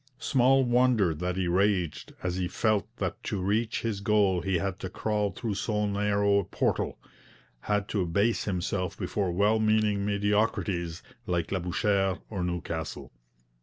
Small wonder that he raged as he felt that to reach his goal he had to crawl through so narrow a portal, had to abase himself before well meaning mediocrities like Labouchere or Newcastle.